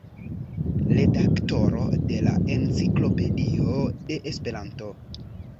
Redaktoro de la Enciklopedio de Esperanto.